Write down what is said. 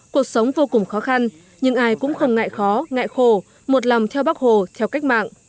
cuộc sống vô cùng khó khăn nhưng ai cũng không ngại khó ngại khổ một lòng theo bác hồ theo cách mạng